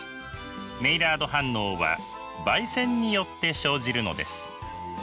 メイラード反応は焙煎によって生じるのです。